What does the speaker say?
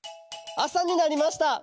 あさになりました。